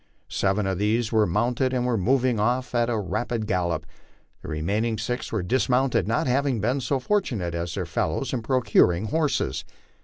Seven of these were mounted and were moving off at a rapid gallop ; the remaining six were dismounted, not having been so fortunate as their fellows in procuring horses.